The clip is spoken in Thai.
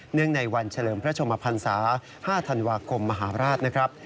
ในวันเฉลิมพระชมพันศา๕ธันวาคมมหาราชนะครับ